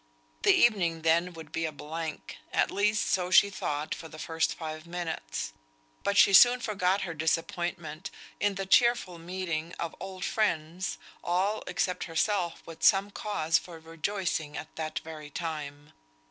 The evening then would be a blank; at least so she thought for the first five minutes; but she soon forgot her disappointment in the cheerful meeting of old friends, all, except herself, with some cause for rejoicing at that very time.